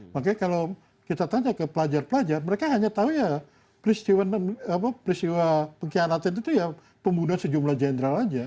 makanya kalau kita tanya ke pelajar pelajar mereka hanya tahu ya peristiwa pengkhianatan itu ya pembunuhan sejumlah jenderal saja